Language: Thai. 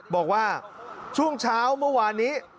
บอกว่าช่วงเช้าเมื่อวานนี้